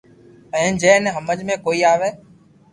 ھين جي ني ھمج ۾ ڪوئي اوي